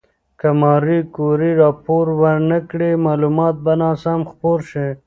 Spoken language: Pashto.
که ماري کوري راپور ونکړي، معلومات به ناسم خپور شي.